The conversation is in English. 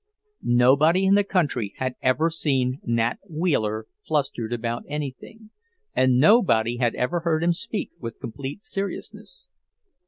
Nobody in the county had ever seen Nat Wheeler flustered about anything, and nobody had ever heard him speak with complete seriousness.